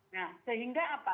nah sehingga apa